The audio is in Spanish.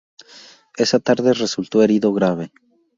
Esa tarde resultó herido grave.